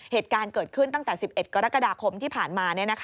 เหตุการณ์เกิดขึ้นตั้งแต่๑๑กรกฎาคมที่ผ่านมา